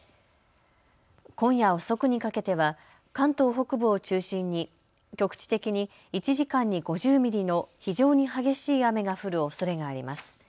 今夜遅くにかけては関東北部を中心に局地的に１時間に５０ミリの非常に激しい雨が降るおそれがあります。